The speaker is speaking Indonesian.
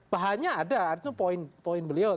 bahannya ada artinya poin poin beliau